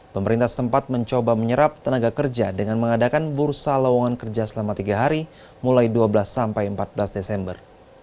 pemerintah sempat mencoba menyerap tenaga kerja dengan mengadakan bursa lowongan kerja selama tiga hari mulai dua belas sampai empat belas desember